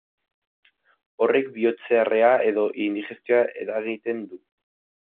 Horrek bihotzerrea edo indigestioa eragiten du.